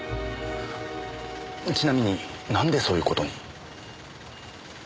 ちなみになんでそういう事に？